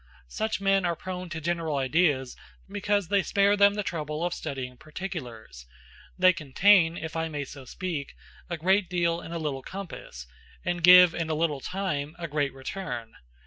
Such men are prone to general ideas because they spare them the trouble of studying particulars; they contain, if I may so speak, a great deal in a little compass, and give, in a little time, a great return.